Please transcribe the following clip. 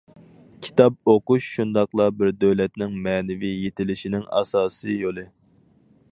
كىتاب ئوقۇش شۇنداقلا بىر دۆلەتنىڭ مەنىۋى يېتىلىشىنىڭ ئاساسىي يولى.